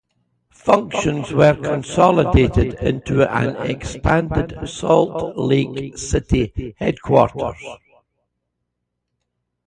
Functions were consolidated into an expanded Salt Lake City headquarters.